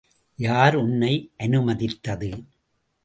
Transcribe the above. யார் உன்னை அனுமதித்தது?